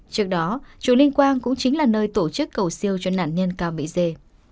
trước đó chùa linh quang cũng chính là nơi tổ chức cầu siêu cho nạn nhân cao mỹ dê